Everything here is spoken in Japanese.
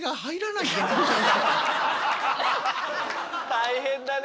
大変だね。